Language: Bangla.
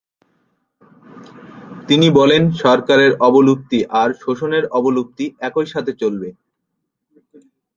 তিনি বলেন সরকারের অবলুপ্তি আর শোষণের অবলুপ্তি একই সাথে চলবে।